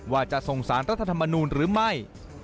ว่าจะส่งสารรัฐธรรมนูลหรือไม่